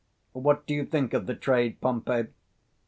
What do you think of the trade, Pompey?